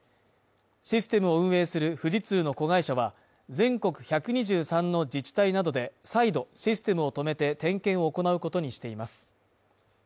システムを運営する富士通の子会社は、全国１２３の自治体などで再度システムを止めて点検を行うことにしています。